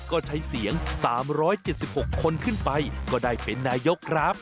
ก็ใช้เสียง๓๗๖คนขึ้นไปก็ได้เป็นนายกครับ